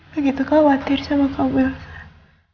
begitu khawatir sama kau wilson